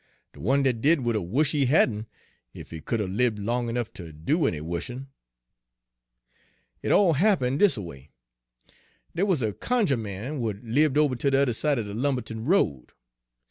De one dat did would 'a' wush' he hadn', ef he could 'a' libbed long ernuff ter do any wushin'. "It all happen' dis erway. Dey wuz a cunjuh man w'at libbed ober t' other side er de Lumbe'ton Road.